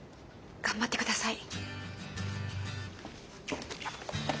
頑張って下さい。